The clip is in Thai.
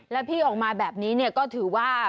แล้วพี่ออกมาแบบนี้ก็ถือว่า